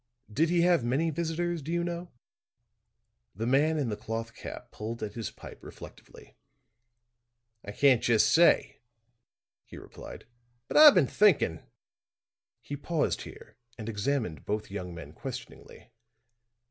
"Did he have many visitors, do you know?" The man in the cloth cap pulled at his pipe reflectively. "I can't just say," he replied. "But I've been thinking " he paused here and examined both young men questioningly.